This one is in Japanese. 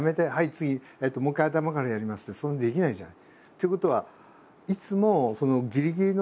次もう一回頭からやりますってそんなできないじゃない。